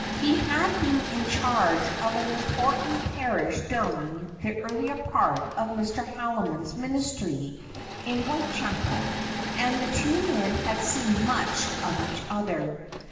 He had been in charge of an important parish during the earlier part of Mr. Haldimond's ministry in Whitechapel, and the two men had seen much of each other.